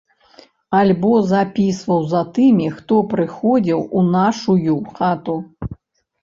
Альбо запісваў за тымі, хто прыходзіў у нашую хату.